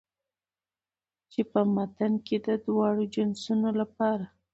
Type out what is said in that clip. چې په متن کې د دواړو جنسونو لپاره